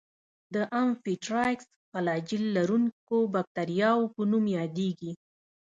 د امفيټرایکس فلاجیل لرونکو باکتریاوو په نوم یادیږي.